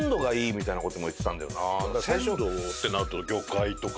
鮮度ってなると魚介とか。